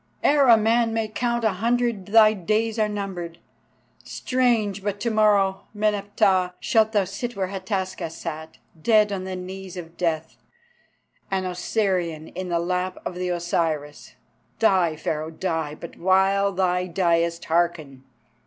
Ere a man may count a hundred thy days are numbered. Strange! but to morrow, Meneptah, shalt thou sit where Hataska sat, dead on the knees of Death, an Osirian in the lap of the Osiris. Die, Pharaoh, die! But while thy diest, hearken.